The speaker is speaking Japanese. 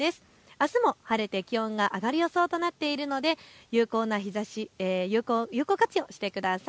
あすも晴れて気温が上がる予想となっているので日ざし有効活用してください。